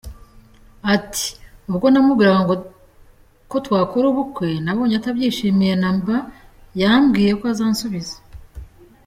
Ati” Ubwo namubwiraga ko twakora ubukwe nabonye atabyishimiye na mba, yambwiye ko azansubiza.